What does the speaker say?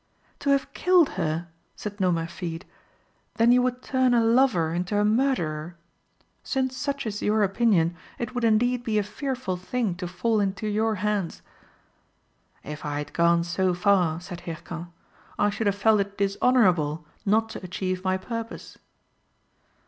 "To have killed her!" said Nomerfide. "Then you would turn a lover into a murderer? Since such is your opinion, it would indeed be a fearful thing to fall into your hands." "If I had gone so far," said Hircan, "I should have held it dishonourable not to achieve my purpose."